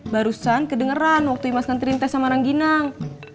barusan kedengeran waktu imas ngerintes sama ranggineng